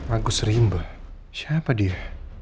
agus rimba siapa dia